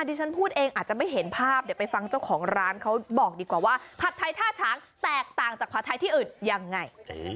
ที่ฉันพูดเองอาจจะไม่เห็นภาพเดี๋ยวไปฟังเจ้าของร้านเขาบอกดีกว่าว่าผัดไทยท่าช้างแตกต่างจากผัดไทยที่อื่นยังไง